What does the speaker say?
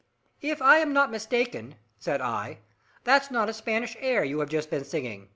"If I am not mistaken," said I, "that's not a Spanish air you have just been singing.